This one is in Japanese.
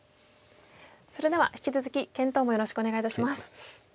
それでは引き続き検討もよろしくお願いいたします。